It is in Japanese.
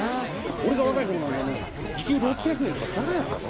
俺が若い頃なんぞお前時給６００円とかざらやったぞ。